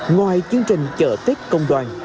ngoài chương trình chợ tết công đoàn